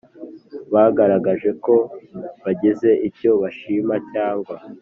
bagaragaje ko bagize icyo bashima cyangwa